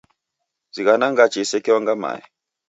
Zighana ngache isekeonga mae.